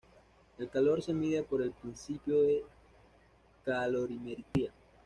El calor se mide por el principio de calorimetría.